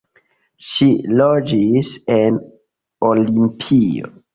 Ŝi loĝis en Olimpio.